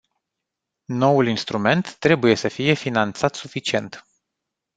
Noul instrument trebuie să fie finanțat suficient.